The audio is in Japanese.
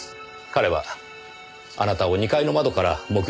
彼はあなたを２階の窓から目撃しました。